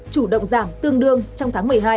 chủ động giảm tương đương trong tháng một mươi hai